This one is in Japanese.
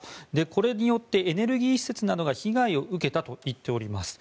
これによってエネルギー施設などが被害を受けたと言っております。